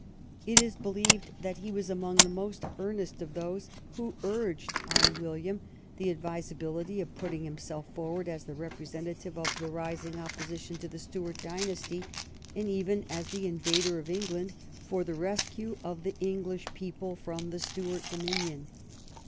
It is believed that he was among the most earnest of those who urged on William the advisability of put ting himself forward as the representative of the rising opposition to the Stuart dynasty, and even as the in vader of England for the rescue of the English people from the Stuart dominion.